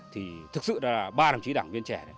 thì thực sự là ba đồng chí đảng viên trẻ